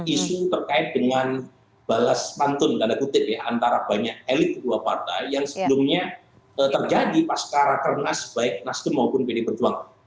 isu terkait dengan balas pantun antara banyak elit kedua partai yang sebelumnya terjadi pas karakter nasjidun maupun pilih perjuangan